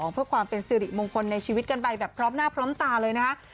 เพื่อความเป็นสิริมงคลในชีวิตกันไปแบบพร้อมหน้าพร้อมตาเลยนะคะ